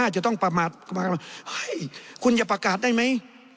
จะต้องประมาทคุณจะประกาศได้ไหม